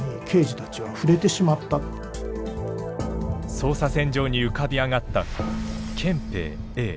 捜査線上に浮かび上がった憲兵Ａ。